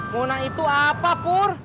munak itu apa pur